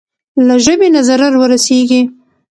له ژبې نه ضرر ورسېږي.